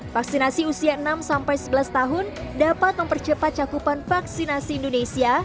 vaksinasi usia enam sebelas tahun dapat mempercepat cakupan vaksinasi indonesia